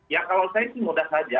ya kalau saya sih mudah saja